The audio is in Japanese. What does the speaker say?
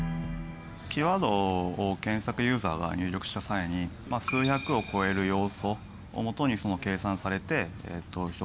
キーワードを検索ユーザーが入力した際に数百を超える要素を基に計算されて表示されております。